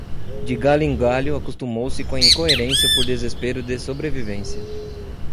De galho em galho, acostumou-se com a incoerência por desespero de sobrevivência